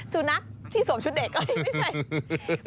สุ่นนักที่สวมชุดเด็กไม่ใช่